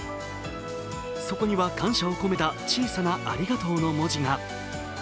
そこには、感謝を込めた小さな「ありがとう」の文字が。